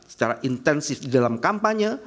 secara intensif di dalam kampanye